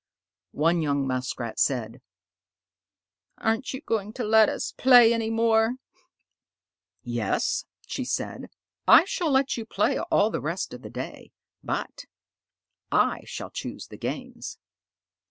One young Muskrat said, "Aren't you going to let us play any more?" "Yes," said she. "I shall let you play all the rest of the day, but I shall choose the games.